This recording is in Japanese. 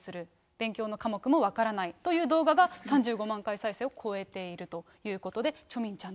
勉強の科目も分からないという動画が３５万回再生を超えているということで、チョ・ミンちゃん